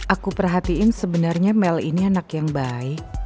aku perhatiin sebenarnya mel ini anak yang baik